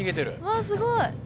わあすごい。